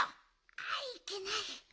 あっいけない。